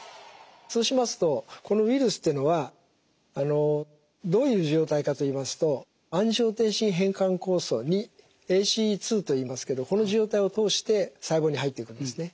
そうしますとウイルスっていうのはどういう状態かと言いますとアンジオテンシン変換酵素２と言いますけどこの受容体を通して細胞に入っていくんですね。